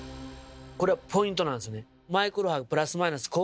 これポイントなんですね。